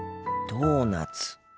ドーナツ。